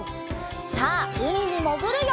さあうみにもぐるよ！